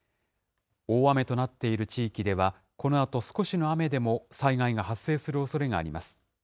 大雨となっている地域では、このあと少しの雨でも災害が発生するおそれがあります。